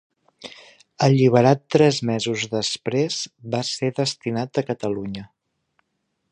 Alliberat tres mesos després, va ser destinat a Catalunya.